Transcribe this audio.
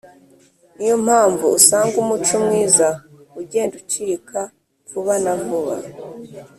ni yo mpamvu usanga umuco mwiza ugenda ucika vuba na vuba